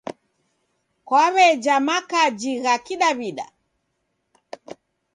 Kwaw'eja makaji gha Kidaw'ida?